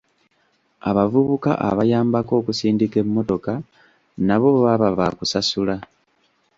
Abavubuka abayambako okusindika emmotoka nabo baba baakusasula.